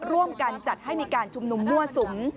ร่วมกันจัดให้มีการชุมนุมมั่วสุม